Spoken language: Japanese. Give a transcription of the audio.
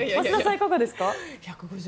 いかがですか？